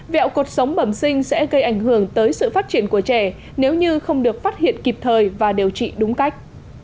vẹo cuộc sống bẩm sinh sẽ gây ảnh hưởng tới sự phát triển của trẻ nếu như không được phát hiện kịp thời và điều trị đúng cách